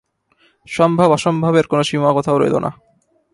সম্ভব অসম্ভবের কোনো সীমা কোথাও রইল না।